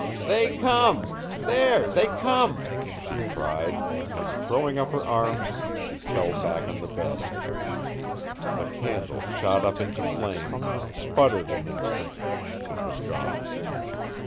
"They come there, they come!" she cried, and throwing up her arms she fell back on the bed. The candle shot up into flame, sputtered an instant, and was gone.